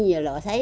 có nhiều lọ xáy